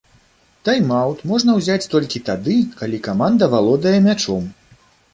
Тайм-аўт можна узяць толькі тады, калі каманда валодае мячом.